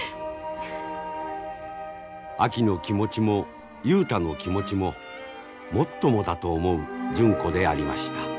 あきの気持ちも雄太の気持ちももっともだと思う純子でありました。